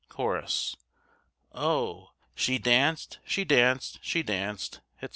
Cho.—Oh! she danced, she danced, she danced, etc.